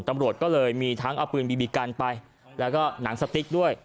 ตำรวจก็เลยมีทั้งเอาปืนบีบีกันไปแล้วก็หนังสติ๊กด้วย